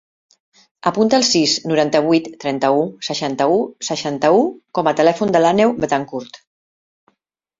Apunta el sis, noranta-vuit, trenta-u, seixanta-u, seixanta-u com a telèfon de l'Àneu Betancourt.